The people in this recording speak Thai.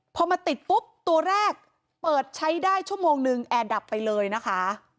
พอมาติดปุ๊บตัวแรกเปิดใช้ได้ชั่วโมงนึงแอร์ดับไปเลยนะคะ